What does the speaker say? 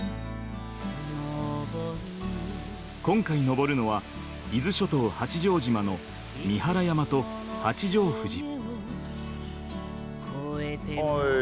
今回登るのは伊豆諸島、八丈島の三原山と八丈富士。